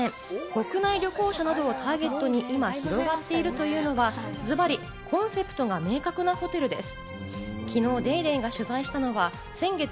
国内旅行者などをターゲットに今、広がっているというのは、ずばりコンセプトが明確なホテルです。